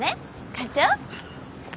課長？